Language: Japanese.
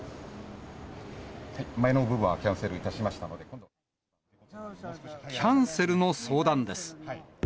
前の部分はキャンセルいたしキャンセルの相談です。